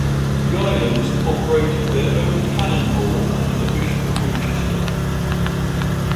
The Islands operated their own Canon Law under the Bishop of Winchester.